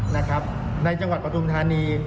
นะครับในจังหวัดปฐมธานี